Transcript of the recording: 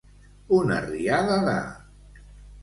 Una riada de.